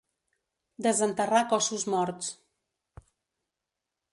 Desenterrar cossos morts.